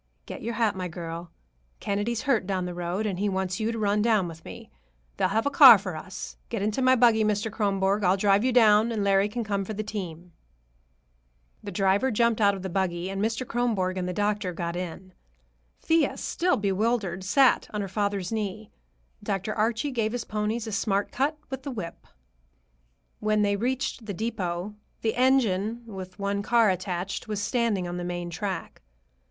"Get your hat, my girl. Kennedy's hurt down the road, and he wants you to run down with me. They'll have a car for us. Get into my buggy, Mr. Kronborg. I'll drive you down, and Larry can come for the team." The driver jumped out of the buggy and Mr. Kronborg and the doctor got in. Thea, still bewildered, sat on her father's knee. Dr. Archie gave his ponies a smart cut with the whip. When they reached the depot, the engine, with one car attached, was standing on the main track.